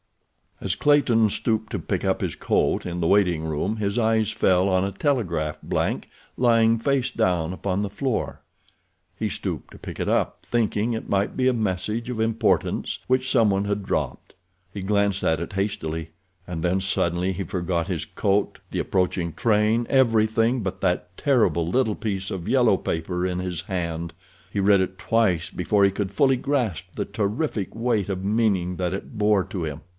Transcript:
As Clayton stooped to pick up his coat in the waiting room his eyes fell on a telegraph blank lying face down upon the floor. He stooped to pick it up, thinking it might be a message of importance which some one had dropped. He glanced at it hastily, and then suddenly he forgot his coat, the approaching train—everything but that terrible little piece of yellow paper in his hand. He read it twice before he could fully grasp the terrific weight of meaning that it bore to him.